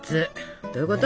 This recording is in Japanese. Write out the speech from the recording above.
どういうこと？